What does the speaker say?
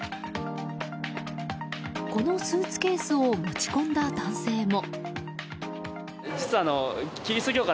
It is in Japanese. このスーツケースを持ち込んだ男性も。